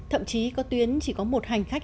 thậm chí có tuyến chỉ có một hành khách